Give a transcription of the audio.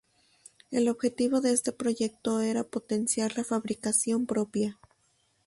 El objetivo de este proyecto era potenciar la fabricación propia.